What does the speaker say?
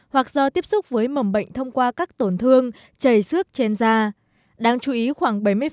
hoặc do tiếp xúc với mầm bệnh thông qua các tổn thương chảy xước trên da đáng chú ý khoảng bảy mươi